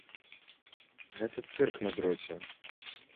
Гэта цырк на дроце!